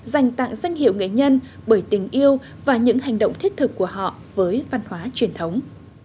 dành tặng danh hiệu nghệ nhân bởi tình yêu và những hành động thiết thực của họ với văn hóa truyền thống